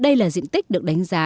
đây là diện tích được đánh giá